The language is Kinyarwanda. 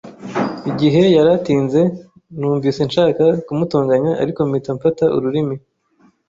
Igihe yari atinze, numvise nshaka kumutonganya, ariko mfata ururimi.